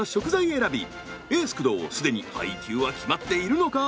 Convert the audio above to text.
エース工藤既に配球は決まっているのか？